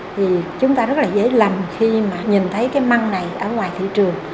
thì chúng ta rất là dễ lành khi mà nhìn thấy cái măng này ở ngoài thị trường